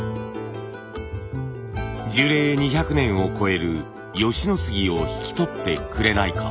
「樹齢２００年を超える吉野杉を引き取ってくれないか？」。